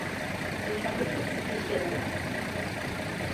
এই শহরটি একটি কৃষি এলাকা।